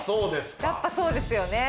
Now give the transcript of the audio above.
やっぱそうですよね。